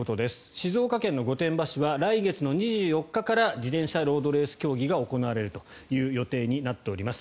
静岡県の御殿場市は来月２４日から自転車ロードレース競技が行われる予定になっています。